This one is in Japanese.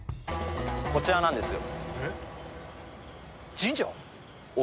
こちらなんですよ。